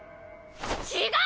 違う！